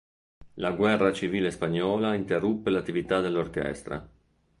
La guerra civile spagnola interruppe l'attività dell'orchestra.